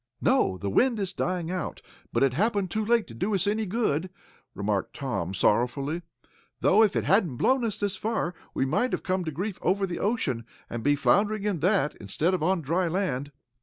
"No, the wind is dying out, but it happened too late to do us any good," remarked Tom, sorrowfully. "Though if it hadn't blown us this far, we might have come to grief over the ocean, and be floundering in that, instead of on dry land."